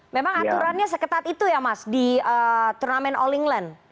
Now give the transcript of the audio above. memang aturannya seketat itu ya mas di turnamen all england